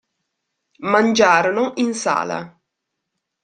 Mangiarono in sala.